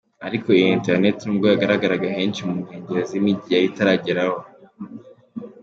Ariko iyi internet nubwo yagaragaraga henshi mu nkengero z’imijyi yari itarageraho.